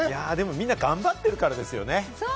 みんな頑張ってるからですよね。